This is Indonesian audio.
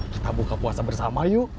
kita buka puasa bersama yuk